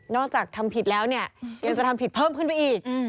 นอกจากทำผิดแล้วยังจะทำผิดเพิ่มขึ้นไปอีก